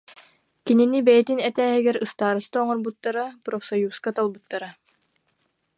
Кинини бэйэтин этээһигэр ыстаарыста оҥорбуттара, профсоюзка талбыттара